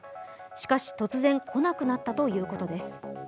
しかし、突然来なくなったということです。